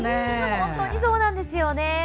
本当にそうなんですよね。